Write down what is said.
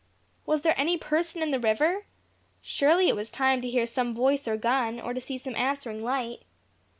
Was there any person in the river! Surely it was time to hear some voice or gun, or to see some answering light.